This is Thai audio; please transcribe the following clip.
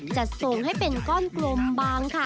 จะส่งให้เป็นก้อนกลมบางค่ะ